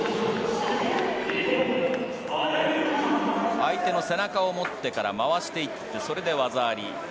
相手の背中を持ってから回していってそれで技あり。